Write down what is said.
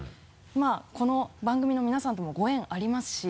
この番組の皆さんともご縁ありますし。